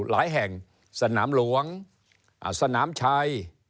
หลายแห่งสนามหลวงสนามชัย